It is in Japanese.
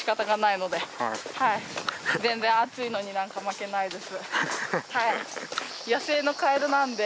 全然暑いのになんか負けないです。